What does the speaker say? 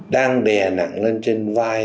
đang đè nặng lên trên vai